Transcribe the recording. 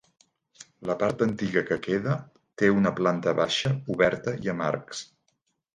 La part antiga que queda té una planta baixa oberta i amb arcs.